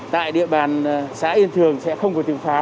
tại địa bàn xã yên thường sẽ không có tình pháo